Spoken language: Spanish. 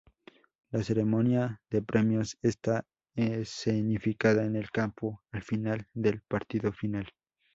La ceremonia de premios está escenificada en el campo al final del partido final.